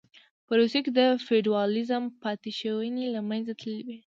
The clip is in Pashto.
په روسیه کې د فیوډالېزم پاتې شوني له منځه تللې وې